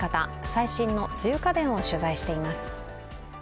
最新の梅雨家電を取材しています。